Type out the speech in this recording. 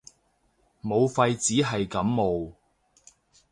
武肺只係感冒